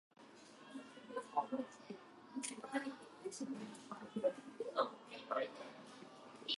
名探偵コナンの映画名は初見殺しである